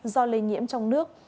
do lây nhiễm trong nước